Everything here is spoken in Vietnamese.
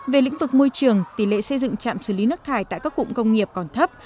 về lĩnh vực môi trường tỷ lệ xây dựng trạm xử lý nước thải tại các cụm công nghiệp còn thấp